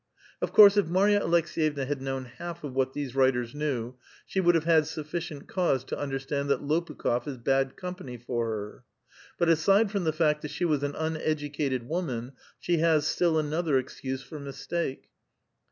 Of course, if Marya Alekseyevna had known half of what these writers knew, she would have had sutUcient mind to undersUmd that Lopukh6f is bad company for her. But aside from the fact that she was an uneducated woman, she has still another excuse for mistake.